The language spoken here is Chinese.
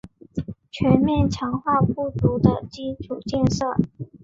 全面强化不足的基础建设